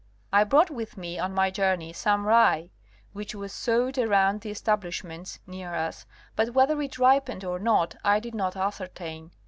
I brought with me on my journey some rye which was sowed around the establishments near us, but whether it ripened or not I did not ascertain.